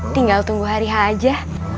tinggal tunggu hari h aja